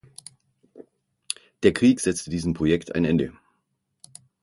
Der Krieg setzte diesem Projekt ein Ende.